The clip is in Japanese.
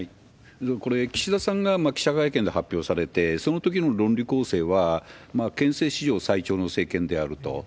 これ、岸田さんが記者会見で発表されて、そのときの論理構成は、憲政史上最長の政権であると。